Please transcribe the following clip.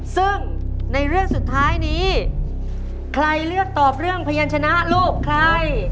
ซึ่งในเรื่องสุดท้ายนี้ใครเลือกตอบเรื่องพยานชนะลูกใคร